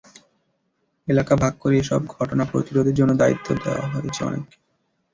এলাকা ভাগ করে এসব ঘটনা প্রতিরোধের জন্য দায়িত্ব দেওয়া হয়েছে অনেককে।